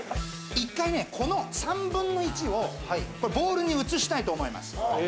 １回ね、この３分の１をボウルに移したいと思います。